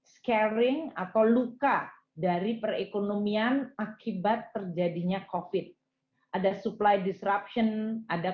scaring atau luka dari perekonomian akibat terjadinya kofit ada supply disruption ada